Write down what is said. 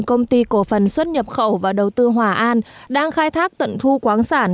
công ty cổ phần xuất nhập khẩu và đầu tư hòa an đang khai thác tận thu khoáng sản